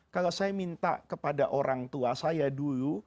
kalau saya minta kepada orang tua saya dulu